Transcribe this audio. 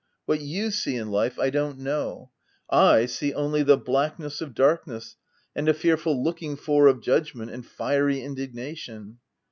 What you see in life I don't know —/ see only the blackness of darkness and a fearful looking for of judgment and fiery indignation